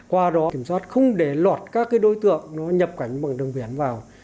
qua đó kiểm soát không để lọt các đối tượng nhập cảnh bằng đường biển vào